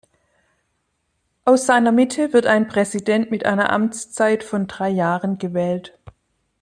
Aus seiner Mitte wird ein Präsident mit einer Amtszeit von drei Jahren gewählt.